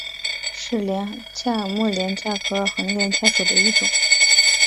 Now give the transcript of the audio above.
是帘蛤目帘蛤科横帘蛤属的一种。